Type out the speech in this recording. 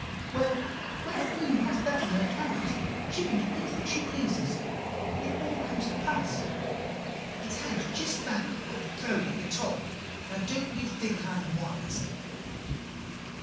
Well, when the Queen has that in her hand, she can do anything she pleases, it all comes to pass. It hangs just back of the throne, at the top. Now, don't you think I am wise?